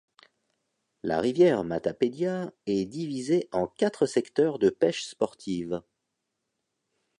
La rivière Matapédia est divisée en quatre secteurs de pêche sportive.